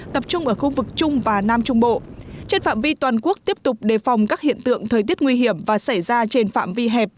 trên phạm vi toàn quốc tiếp tục đề phòng các hiện tượng thời tiết nguy hiểm và xảy ra trên phạm vi hẹp